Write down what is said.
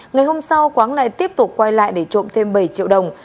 ngày hôm sau quán này tiếp tục quay lại để trộm thêm bảy triệu đồng